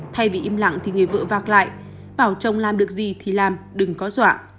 thay vì im lặng thì người vợ vạc lại bảo chồng làm được gì thì làm đừng có dọa